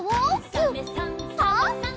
「サメさんサバさん」